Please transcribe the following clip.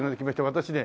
私ね